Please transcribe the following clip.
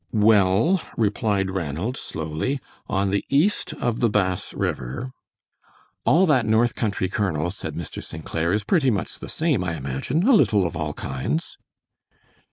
"Well," replied Ranald, slowly, "on the east of the Bass River " "All that north country, Colonel," said Mr. St. Clair, "is pretty much the same, I imagine; a little of all kinds."